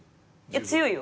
強いよ。